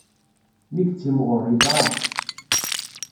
Mi yettimɣur, yeḍɛef.